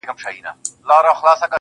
راځه رحچيږه بيا په قهر راته جام دی پير,